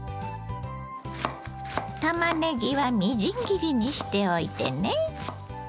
たまねぎはみじん切りにしておいてね。